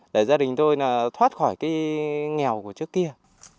để gia đình tôi thoát khỏi cái nghèo của trước kia